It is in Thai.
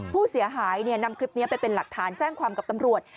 ผู้เสียหายนำคลิปนี้ไปเป็นหลักฐานแจ้งความกับตำรวจ